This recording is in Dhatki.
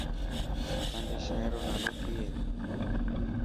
تانجي شهر رو نالو ڪي هي.